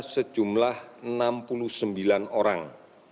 sejumlah enam orang